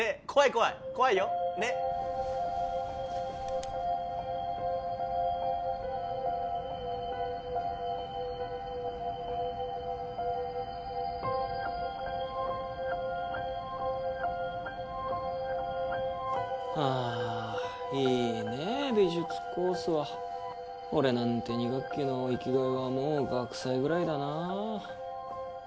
怖い怖いよねっあいいねえ美術コースは俺なんて２学期の生きがいはもう学祭ぐらいだなあ